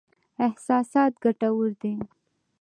احساسات ګټور دي.